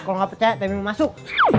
kalau gak percaya temen mau masuk